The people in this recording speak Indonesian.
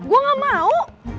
gue gak mau